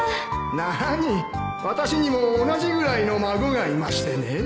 なに私にも同じぐらいの孫がいましてね